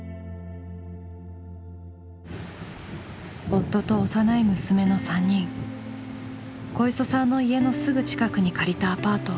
夫と幼い娘の３人小磯さんの家のすぐ近くに借りたアパート。